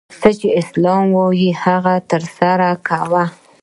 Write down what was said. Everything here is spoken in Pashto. څه چي اسلام وايي هغه ترسره کوه!